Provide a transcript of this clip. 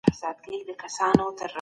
آیا فیوډالي نظام په اروپا کي رواج و؟